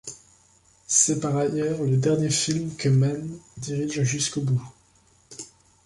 C'est par ailleurs le dernier film que Mann dirige jusqu'au bout.